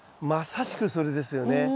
まさしくそれですよね。